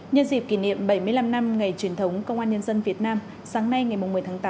nhân dịp kỷ niệm bảy mươi năm năm ngày truyền thống công an nhân dân việt nam sáng nay ngày một mươi tháng tám